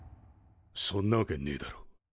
そんなわけねえだろ。